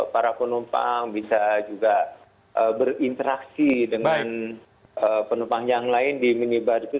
para penumpang bisa juga berinteraksi dengan penumpang yang lain di minibar itu